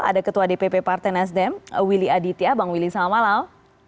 ada ketua dpp partai nasdem willy aditya bang willy selamat malam